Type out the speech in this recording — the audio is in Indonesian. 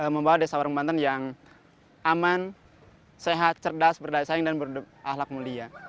membawa desa warung banten yang aman sehat cerdas berdaya saing dan berahlak mulia